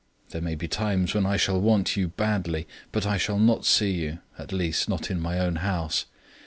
There may be times when I shall want you badly, but I shall not see you, at least not in my own house.